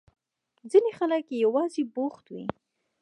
ځينې خلک يوازې بوخت وي.